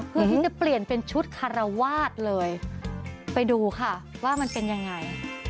เพื่อที่จะเปลี่ยนเป็นชุดคารวาสเลยไปดูค่ะว่ามันเป็นยังไง